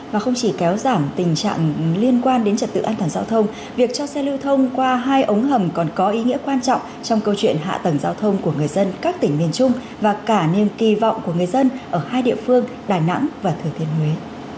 và không chỉ kéo giảm tình trạng liên quan đến trật tự an toàn giao thông việc cho xe lưu thông qua hai ống hầm còn có ý nghĩa quan trọng trong câu chuyện hạ tầng giao thông của người dân các tỉnh miền trung và cả niềm kỳ vọng của người dân ở hai địa phương đà nẵng và thừa thiên huế